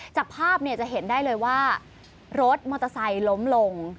จากภาพจะเห็นได้เลยว่ารถมอเตอร์ไซค์ล้มลง